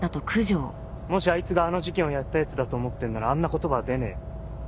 もしあいつがあの事件をやったヤツだと思ってんならあんな言葉は出ねえ。